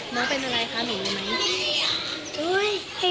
น้องเป็นอะไรคะหนูรู้ไหม